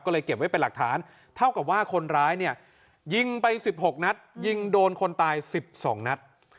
ก็เลยเก็บไว้เป็นหลักฐานเท่ากับว่าคนร้ายเนี่ยยิงไป๑๖นัดยิงโดนคนตาย๑๒นัด